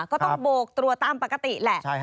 ก็ต้องโบกตรวจตามปกติแหละ